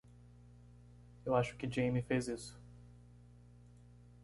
Eu acho que Jamie fez isso.